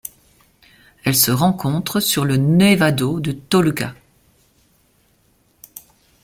Elle se rencontre sur le Nevado de Toluca.